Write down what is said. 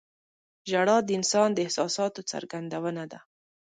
• ژړا د انسان د احساساتو څرګندونه ده.